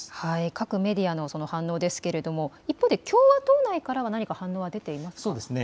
各メディアの反応ですが一方で共和党内からは何か反応は出ていますか。